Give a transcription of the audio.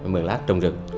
mường lát trồng rừng